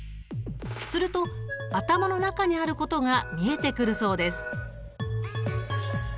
すると頭の中にあることが見えてくるそうです。